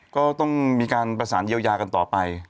ก็ต้องมีการประสานเยียวยากันต่อไป